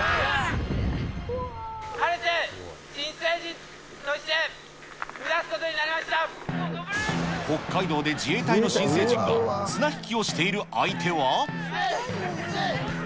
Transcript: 晴れて、新成人として巣立つ北海道で自衛隊の新成人が綱引きをしている相手は。